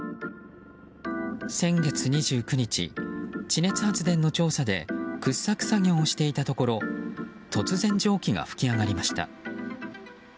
先月２９日、地熱発電の調査で掘削作業をしていたところ突然、蒸気が噴き上がりました。